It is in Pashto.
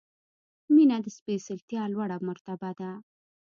• مینه د سپېڅلتیا لوړه مرتبه ده.